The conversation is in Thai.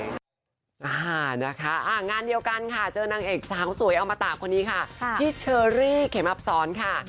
พี่เชอรี่จะว่ายังไงไปฟังคำตอบกันเลยค่ะ